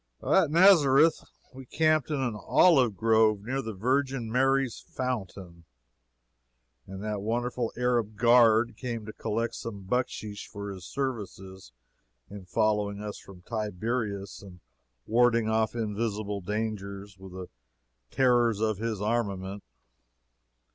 At Nazareth we camped in an olive grove near the Virgin Mary's fountain, and that wonderful Arab "guard" came to collect some bucksheesh for his "services" in following us from Tiberias and warding off invisible dangers with the terrors of his armament.